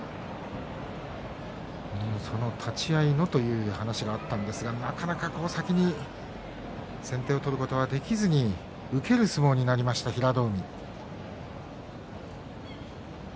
その立ち合いのという話があったんですが、なかなか先に先手を取ることができずに受ける相撲になりました平戸海。